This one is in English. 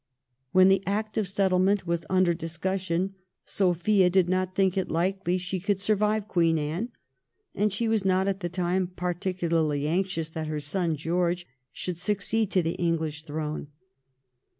When the Act of Settlement was under dis cussion Sophia did not think it likely she could survive Queen Anne, and she was not at the time particularly anxious that her son George should succeed to the English throne.